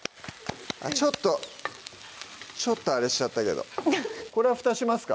ちょっとちょっとあれしちゃったけどこれは蓋しますか？